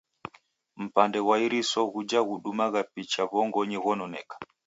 Mpande ghwa iriso ghuja ghudumagha picha w'ongonyi ghononeka.